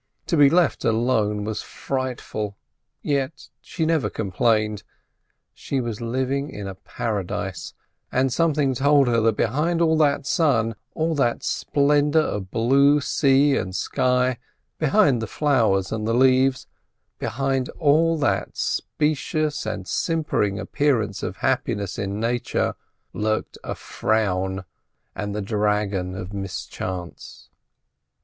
To be left alone was frightful; yet she never complained. She was living in a paradise, but something told her that behind all that sun, all that splendour of blue sea and sky, behind the flowers and the leaves, behind all that specious and simpering appearance of happiness in nature, lurked a frown, and the dragon of mischance.